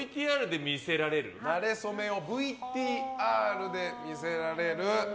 なれ初めをＶＴＲで見せられる。